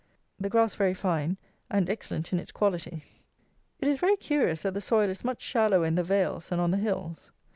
The grass very fine and excellent in its quality. It is very curious that the soil is much shallower in the vales than on the hills.